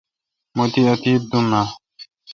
مہ تی اتیت دوم اں